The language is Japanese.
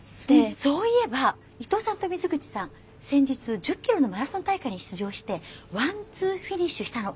そういえば伊藤さんと水口さん先日１０キロのマラソン大会に出場してワンツーフィニッシュしたの。